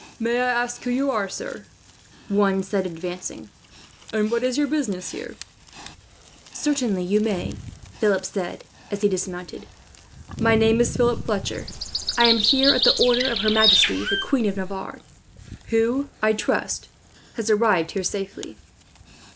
"May I ask who you are, sir?" one said advancing; "and what is your business here?" "Certainly you may," Philip said, as he dismounted. "My name is Philip Fletcher. I am here at the order of her majesty, the Queen of Navarre; who, I trust, has arrived here safely."